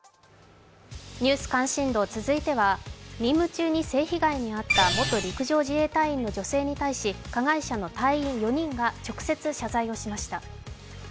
ニュース関心度、続いては任務中に性被害に遭った元陸上自衛隊員の女性に対し、加害者の隊員４人が直接、謝罪をしました。